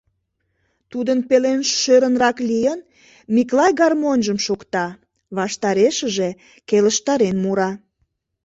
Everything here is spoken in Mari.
Тудын пелен шӧрынрак лийын, Миклай гармоньжым шокта, ваштарешыже келыштарен мура: